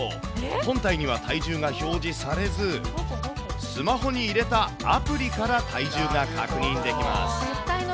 本体には体重が表示されず、スマホに入れたアプリから体重が確認できます。